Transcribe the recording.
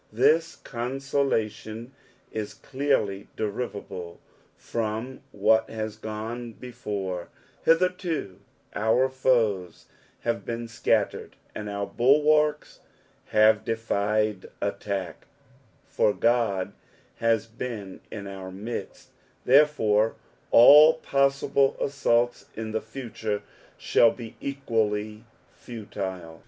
This consolation is clearly derivable from what lias gone before ; hitherto our foes have been scattered, and our bulwarks have defied attack, for Ood has been in our midst, therefore all possible assaults in the future shall be equally futile.